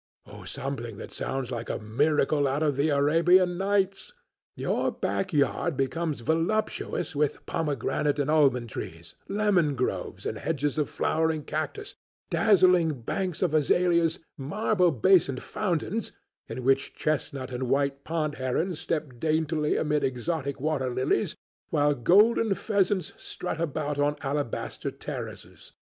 "Something that sounds like a miracle out of the Arabian Nights. Your backyard becomes voluptuous with pomegranate and almond trees, lemon groves, and hedges of flowering cactus, dazzling banks of azaleas, marble basined fountains, in which chestnut and white pond herons step daintily amid exotic water lilies, while golden pheasants strut about on alabaster terraces.